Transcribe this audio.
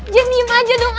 jangan diem aja dong